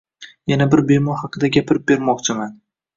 Yana bir bemor haqida gapirib bermoqchiman